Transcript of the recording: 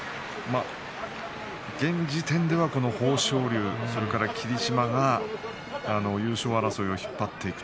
現時点ではこの豊昇龍それから霧島優勝争いを引っ張っていく。